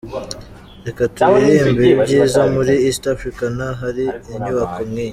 Reka turirimbe ibi byiza, muri East Africa nta hari inyubako nk’iyi.